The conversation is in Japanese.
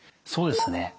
そうですね。